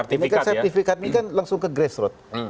ini kan sertifikat ini kan langsung ke grassroot